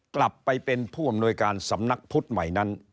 กลับไปเป็นผู้อำนวยการสำนักพุทธใหม่นั้น